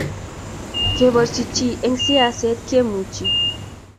keborchi chii eng siaset kemuchi